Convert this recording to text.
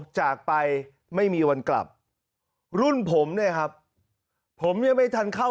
จากไปไม่มีวันกลับรุ่นผมเนี่ยครับผมยังไม่ทันเข้า